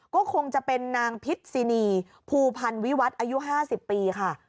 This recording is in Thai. ก็คงจะเป็นนางพิษินีภูพันธ์วิวัตรอายุ๕๐ปีค่ะ